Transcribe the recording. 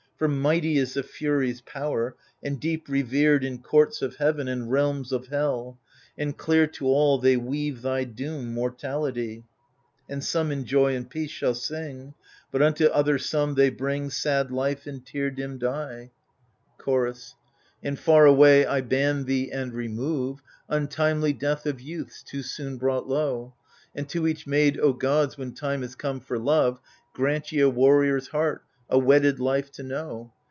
For mighty is the Furies' power, And deep revered in courts of heaven And realms of hell ; and clear to all They weave thy doom, mortality 1 And some in joy and peace shall sing ; But unto other some they bring Sad life and tear dimmed eye. * See Milton, Ccmits, L 938. THE FURIES 179 Chorus And far away I ban thee and remove, Untimely death of youths too soon brought low 1 And to each maid, O gods, when time is come for love. Grant ye a warrior's heart, a wedded life to know.